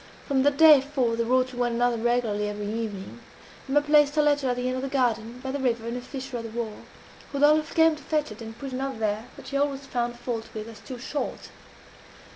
From that day forth they wrote to one another regularly every evening. Emma placed her letter at the end of the garden, by the river, in a fissure of the wall. Rodolphe came to fetch it, and put another there, that she always found fault with as too short.